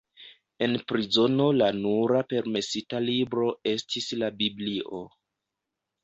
En prizono la nura permesita libro estis la Biblio.